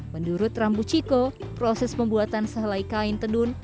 menurut rambu ciko proses pembuatan selai kain tenun